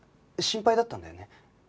心配だったんだよね。